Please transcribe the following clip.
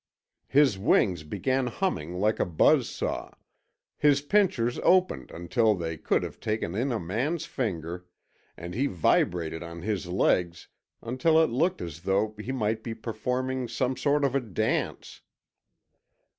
His wings began humming like a buzz saw, his pincers opened until they could have taken in a man's finger, and he vibrated on his legs until it looked as though he might be performing some sort of a dance.